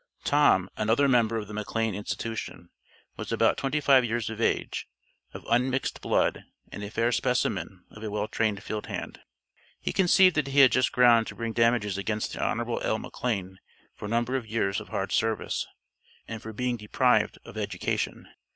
Tom, another member of the McLane institution, was about twenty five years of age, of unmixed blood, and a fair specimen of a well trained field hand. He conceived that he had just ground to bring damages against the Hon. L. McLane for a number of years of hard service, and for being deprived of education.